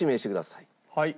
はい。